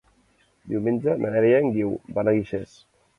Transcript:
Diumenge na Neida i en Guiu van a Guixers.